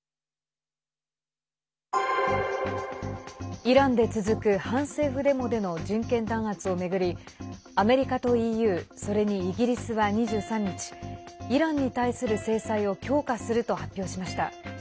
イランで続く反政府デモでの人権弾圧を巡りアメリカとＥＵそれにイギリスは２３日イランに対する制裁を強化すると発表しました。